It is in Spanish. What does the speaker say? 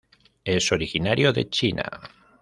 Es originario de China.